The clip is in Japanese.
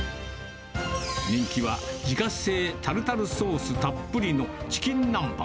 人気は、自家製タルタルソースたっぷりのチキン南蛮。